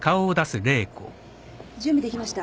準備できました。